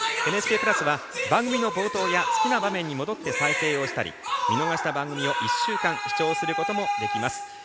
ＮＨＫプラスは番組の冒頭や好きな場面に戻って再生したり見逃した番組を１週間、視聴することもできます。